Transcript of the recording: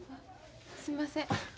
すんません。